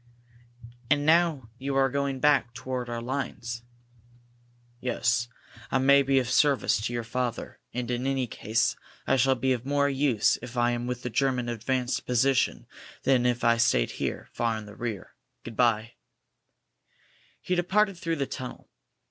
"And now you are going back toward our lines?" "Yes. I may be of service to your father. And, in any case, I shall be of more use if I am with the German advanced position than if I stayed here, far in the rear. Good bye!" He departed through the tunnel.